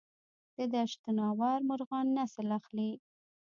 د دشت ناور مرغان نسل اخلي؟